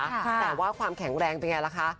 แต่ว่าความแข็งแรงเป็นไงล่ะคะ